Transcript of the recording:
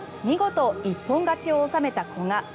見事一本勝ちを収めた古賀。